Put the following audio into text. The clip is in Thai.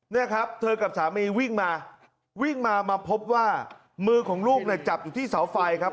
เนี่ยครับเธอกับสามีวิ่งมาวิ่งมามาพบว่ามือของลูกเนี่ยจับอยู่ที่เสาไฟครับ